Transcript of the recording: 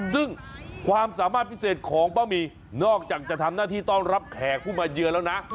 ซึ่งความสามารถพิเศษของป้าหมี่นอกจากจะทำหน้าที่ต้อนรับแขกผู้มาเยือนแล้วนะ